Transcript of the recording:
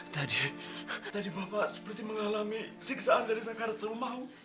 tadi tadi bapak seperti mengalami siksaan dari sangkaratul maw